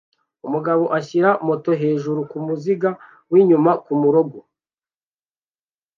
Umugabo ashyira moto hejuru kumuziga winyuma kumurongo